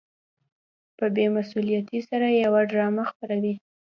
په بې مسؤليتۍ سره يوه ډرامه خپروي.